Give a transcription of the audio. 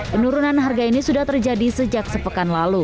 penurunan harga ini sudah terjadi sejak sepekan lalu